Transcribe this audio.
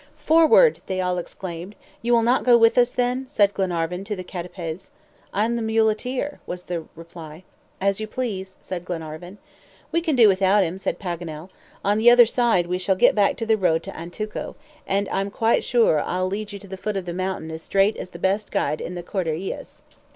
"Forward!" they all exclaimed. "You will not go with us, then?" said Glenarvan to the CATAPEZ. "I am the muleteer," was the reply. "As you please," said Glenarvan. "We can do without him," said Paganel. "On the other side we shall get back into the road to Antuco, and I'm quite sure I'll lead you to the foot of the mountain as straight as the best guide in the Cordilleras."